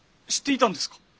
知っていたんですか。